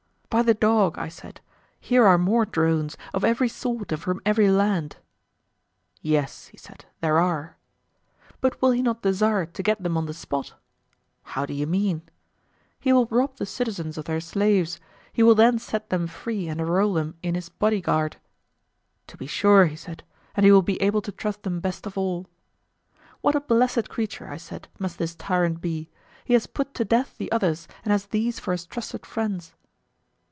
By the dog! I said, here are more drones, of every sort and from every land. Yes, he said, there are. But will he not desire to get them on the spot? How do you mean? He will rob the citizens of their slaves; he will then set them free and enrol them in his body guard. To be sure, he said; and he will be able to trust them best of all. What a blessed creature, I said, must this tyrant be; he has put to death the others and has these for his trusted friends.